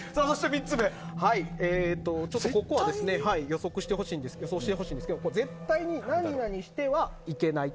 ここは予想してほしいんですが絶対に何々してはいけない。